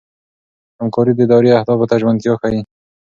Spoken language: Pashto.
همکاري د ادارې اهدافو ته ژمنتیا ښيي.